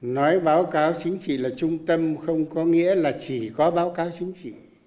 nói báo cáo chính trị là trung tâm không có nghĩa là chỉ có báo cáo chính trị